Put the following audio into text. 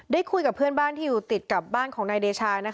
คุยกับเพื่อนบ้านที่อยู่ติดกับบ้านของนายเดชา